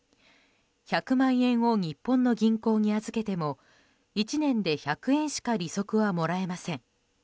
１００万円を日本の銀行に預けても１年で１００円しか利息はもらえません。